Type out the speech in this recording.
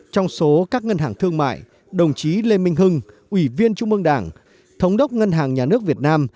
trong số các ngân hàng thương mại đồng chí lê minh hưng ủy viên trung mương đảng thống đốc ngân hàng nhà nước việt nam